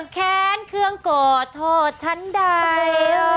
แค้นเคืองโกรธโทษฉันใด